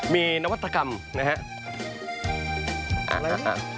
มีนวัตกรรมนะครับ